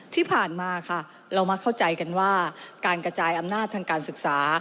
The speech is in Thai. ที่ผ่านมาค่ะเรามาเข้าใจกันว่าการกระจายอำนาจทางการศึกษา